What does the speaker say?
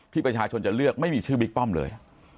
ประชาชนจะเลือกไม่มีชื่อบิ๊กป้อมเลย